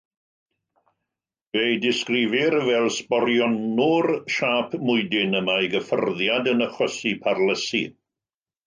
Fe'i disgrifir fel sborionwr siâp mwydyn y mae ei gyffyrddiad yn achosi parlysu.